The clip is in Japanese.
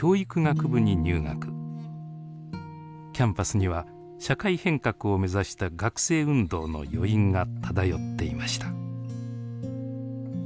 キャンパスには社会変革を目指した学生運動の余韻が漂っていました。